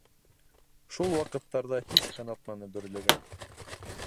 Шул ваҡыттарҙа һис һынатманы Бөрлөгән.